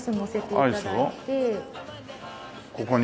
ここに？